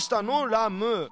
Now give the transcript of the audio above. ラム。